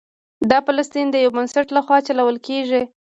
دا کلینک د فلسطین د یو بنسټ له خوا چلول کیږي.